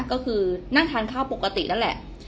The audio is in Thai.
ก็คือนั่งทานข้าวปกตินั่นแหละ